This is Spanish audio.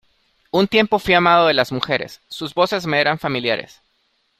un tiempo fuí amado de las mujeres, sus voces me eran familiares: